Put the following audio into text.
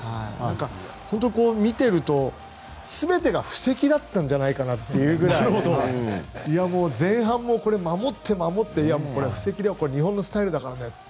見ていると、すべてが布石だったんじゃないかというぐらい前半も守って守って布石にしてこれが日本のスタイルだからねと。